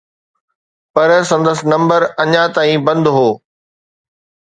پر سندس نمبر اڃا تائين بند هو.